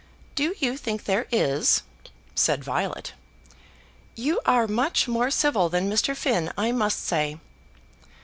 "Do you think there is?" said Violet. "You are much more civil than Mr. Finn, I must say."